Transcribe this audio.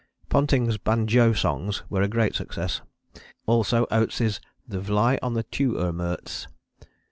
Ponting's banjo songs were a great success, also Oates's 'The Vly on the tu urmuts.'